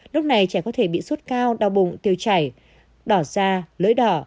lúc này trẻ có thể bị suốt cao đau bụng tiêu chảy đỏ da lưỡi đỏ